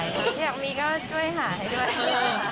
อยากมีก็ช่วยหาให้ด้วย